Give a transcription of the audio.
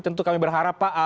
tentu kami berharap pak